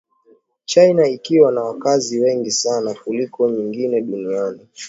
China ikiwa na wakazi wengi sana kuliko nyingine Duniani